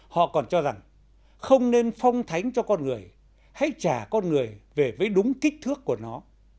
họ còn cho rằng không nên phong thánh cho con người hãy trả con người về với đúng kích thước của nó